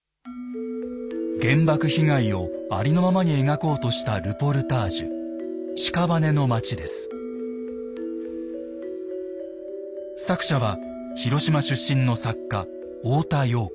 原爆被害をありのままに描こうとしたルポルタージュ作者は広島出身の作家大田洋子。